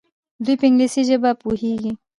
دوی په انګلیسي ژبه پوهیږي.